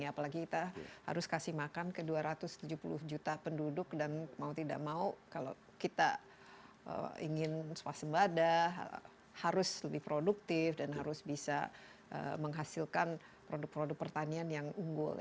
apalagi kita harus kasih makan ke dua ratus tujuh puluh juta penduduk dan mau tidak mau kalau kita ingin swasebada harus lebih produktif dan harus bisa menghasilkan produk produk pertanian yang unggul